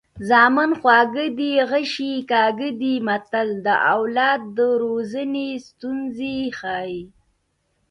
زامن خواږه دي غشي یې کاږه دي متل د اولاد د روزنې ستونزې ښيي